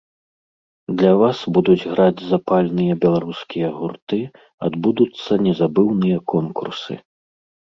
Для вас будуць граць запальныя беларускія гурты, адбудуцца незабыўныя конкурсы.